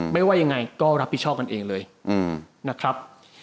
ไม่ว่ายังไงก็รับผิดชอบกันเองเลยนะครับ